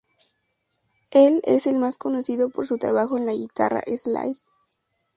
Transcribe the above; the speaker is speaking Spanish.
Él es el más conocido por su trabajo en la guitarra slide.